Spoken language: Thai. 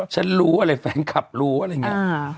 ฉันรู้อะไรแฟนคลับรู้อะไรอย่างนี้